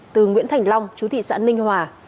từ nguyễn thành long chú thị xã ninh hòa